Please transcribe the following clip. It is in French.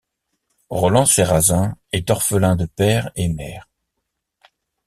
Roland Sérazin est orphelin de père et mère.